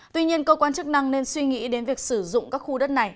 tuy nhiên cơ quan chức năng nên suy nghĩ đến việc sử dụng các khu đất này